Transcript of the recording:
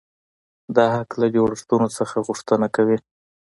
دا حق له جوړښتونو څخه غوښتنه کوي.